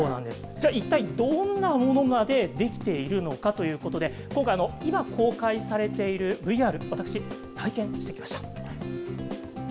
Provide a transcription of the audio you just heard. じゃあ、一体どんなものまで出来ているのかいうことで、今回、今公開されているＶＲ、私、体験してきました。